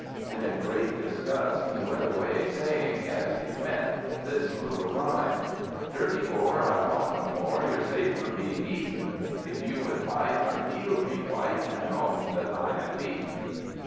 and, in great disgust he went away, saying, as he went, this little rhyme: "Dirty Boar, I want no more, You're saved from being eaten; If you would fight, I yield me quite, And own that I am beaten!"